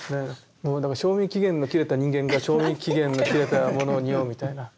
僕だから賞味期限の切れた人間が賞味期限の切れたものをにおうみたいな。